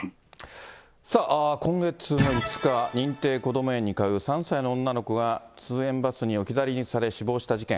さあ、今月の５日、認定こども園に通う３歳の女の子が通園バスに置き去りにされ、死亡した事件。